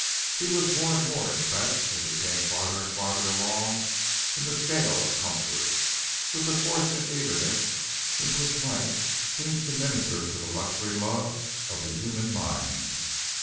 He was more and more impressed as he came farther and farther along in the scale of comfort, with the force and eagerness with which life seems to minister to the luxury love of the human mind.